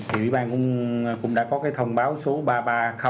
thì ủy ban cũng đã có thông báo số ba trăm ba mươi